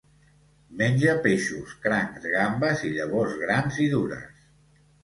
Menja peixos, crancs, gambes i llavors grans i dures.